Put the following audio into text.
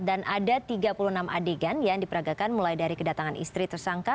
dan ada tiga puluh enam adegan yang diperagakan mulai dari kedatangan istri tersangka